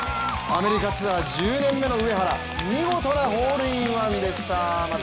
アメリカツアー１０年目の上原、見事なホールインワンでした。